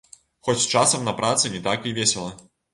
Хоць часам на працы не так і весела.